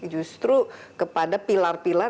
justru kepada pilar pilar